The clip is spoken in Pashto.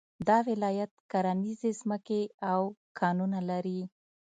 دا ولایت کرنيزې ځمکې او کانونه لري